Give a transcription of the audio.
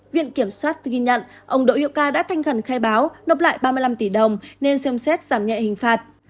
viện kiểm soát ghi nhận ông đội hữu ca đã thanh khẩn khai báo nộp lại ba mươi năm tỷ đồng nên xem xét giảm nhạy hình phạt